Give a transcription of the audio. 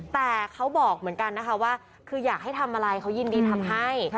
แต่เขาบอกเหมือนกันนะคะว่าคืออยากให้ทำอะไรเขายินดีทำให้